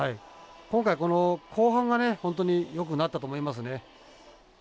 今回、後半が本当によくなったと思いますね。